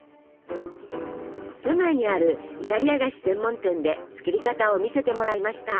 都内にあるイタリア菓子専門店で作り方を見せてもらいました。